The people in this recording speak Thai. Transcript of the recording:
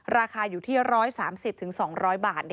ราคาอยู่ที่๑๓๐๒๐๐บาท